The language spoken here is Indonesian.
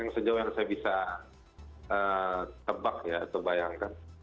sejauh yang saya bisa tebak atau bayangkan